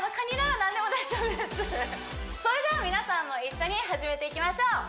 それでは皆さんも一緒に始めていきましょう！